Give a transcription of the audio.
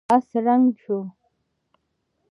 آس ړنګ شو.